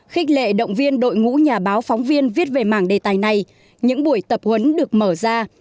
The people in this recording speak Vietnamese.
khích lệ động viên đội ngũ nhà báo phóng viên viết về mảng đề tài này những buổi tập huấn được mở ra